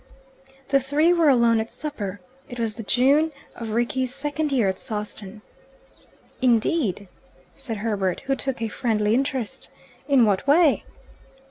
The three were alone at supper. It was the June of Rickie's second year at Sawston. "Indeed?" said Herbert, who took a friendly interest. "In what way?